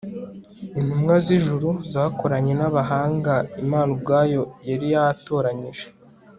intumwa z'ijuru zakoranye n'abahanga imana ubwayo yari yatoranyije